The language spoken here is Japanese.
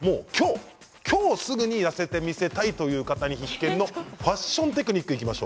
今日、すぐに痩せて見せたいという方、必見のファッションテクニックです。。